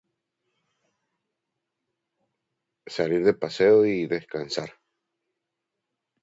Salir de paseo y... descansar.